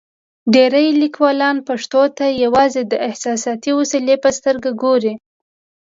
ډېری لیکوالان پښتو ته یوازې د احساساتي وسیلې په سترګه ګوري.